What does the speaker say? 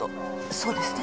そうですね？